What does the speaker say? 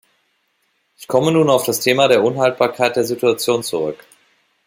Ich komme nun auf das Thema der Unhaltbarkeit der Situation zurück.